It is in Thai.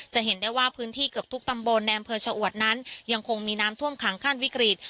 เห็นได้ว่าพื้นที่เกือบทุกตำบลในอำเภอชะอวดนั้นยังคงมีน้ำท่วมขังขั้นวิกฤต